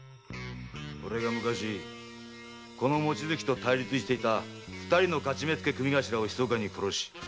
俺が昔望月と対立していた二人の徒目付組頭をひそかに殺し